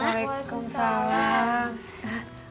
terus gimana om herman mak